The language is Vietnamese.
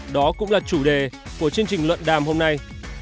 đó cũng là chủ đề của chương trình luận đàm hôm nay